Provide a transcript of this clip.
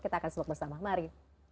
kita akan simak bersama mari